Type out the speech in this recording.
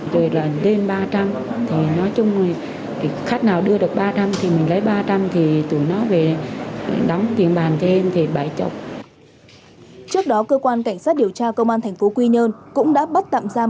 trước đó cơ quan cảnh sát điều tra công an tp quy nhơn cũng đã bắt tạm giam